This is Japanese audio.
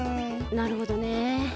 なるほどね。